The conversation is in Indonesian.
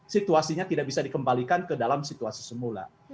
situasinya tidak bisa dikembalikan ke dalam situasi semula